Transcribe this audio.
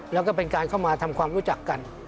แล้วก็เป็นการเข้ามาทำความรู้จักกัน